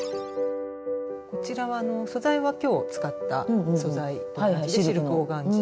こちらは素材は今日使った素材と同じでシルクオーガンジーで。